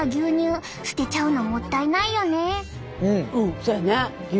そやね。